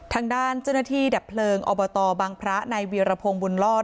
ทางด้านเจ้าหน้าที่ดับเพลิงอบตบังพระในเวียรพงศ์บุญรอด